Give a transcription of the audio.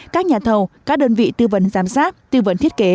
các nhà thầu các đơn vị tư vấn giám sát tư vấn thiết kế